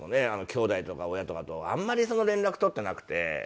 きょうだいとか親とかとあんまり連絡取ってなくて。